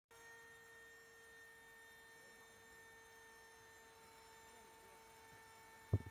‘यमला पगला दीवाना’ एक चुनौतीपूर्ण अनुभव: सन्नी